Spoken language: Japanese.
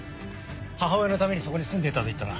母親のためにそこに住んでいたと言ったな。